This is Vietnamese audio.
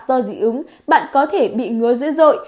do dị ứng bạn có thể bị ngứa dữ dội